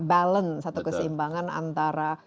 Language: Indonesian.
balance atau keseimbangan antara